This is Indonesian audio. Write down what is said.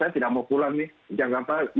tidak mau pulang nih jangan tahu